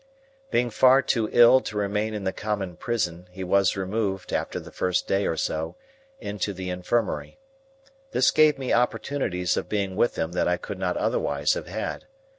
Being far too ill to remain in the common prison, he was removed, after the first day or so, into the infirmary. This gave me opportunities of being with him that I could not otherwise have had.